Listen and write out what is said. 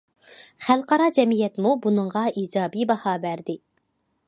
خەلقئارا جەمئىيەتمۇ بۇنىڭغا ئىجابىي باھا بەردى.